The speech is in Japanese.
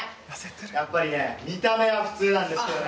やっぱりね見た目は普通なんですけどね